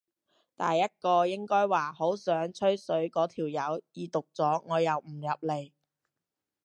第一個應機話好想吹水嗰條友已讀咗我又唔入嚟